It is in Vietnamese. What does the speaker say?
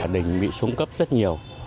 đình bị xuống cấp rất nhiều